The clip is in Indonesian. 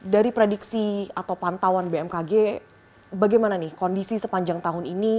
dari prediksi atau pantauan bmkg bagaimana nih kondisi sepanjang tahun ini